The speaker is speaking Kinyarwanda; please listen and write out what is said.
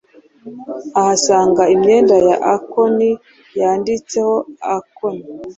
uhasanga imyenda ya Akon yanditseho Akon